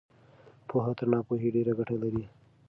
پوهه تر ناپوهۍ ډېره ګټه لري.